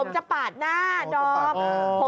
ผมจะปาดหน้าดอม